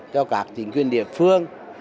cho các chính quyền địa phương